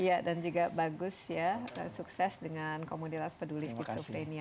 iya dan juga bagus ya sukses dengan komunitas peduli skizofrenia